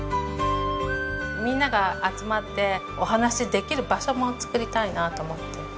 みんなが集まってお話しできる場所も作りたいなと思って。